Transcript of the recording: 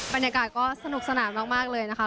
บรรยากาศก็สนุกสนานมากเลยนะคะ